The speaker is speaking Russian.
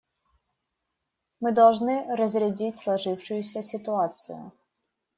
Мы должны разрядить сложившуюся ситуацию.